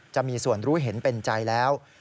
จะมีส่วนรู้เห็นเป็นใจแล้ว